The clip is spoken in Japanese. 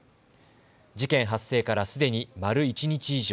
事件発生からすでに丸一日以上。